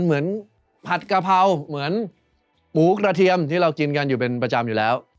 เหมือนผัดกะเพราเหมือนหมูกระเทียมที่เรากินกันอยู่เป็นประจำอยู่แล้ว